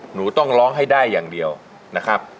หนูต้องร้องให้ได้อย่างเดียวนะครับ